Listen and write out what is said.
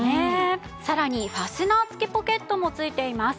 さらにファスナー付きポケットも付いています。